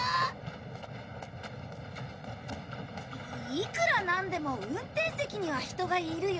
いくらなんでも運転席には人がいるよ。